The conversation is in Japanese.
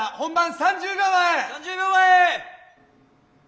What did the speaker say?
３０秒前！